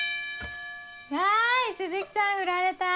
わい鈴木さんフラれた。